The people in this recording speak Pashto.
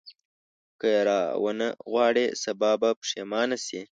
که یې راونه غواړې سبا به پښېمانه شې.